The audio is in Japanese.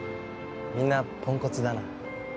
みんなポンコツだな。